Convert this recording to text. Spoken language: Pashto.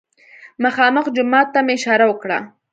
مخامخ جومات ته مې اشاره وکړه.